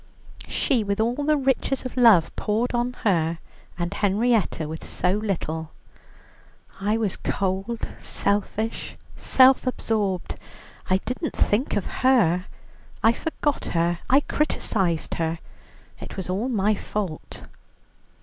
She with all the riches of love poured on her, and Henrietta with so little. "I was cold, selfish, self absorbed, I didn't think of her, I forgot her, I criticized her; it was all my fault."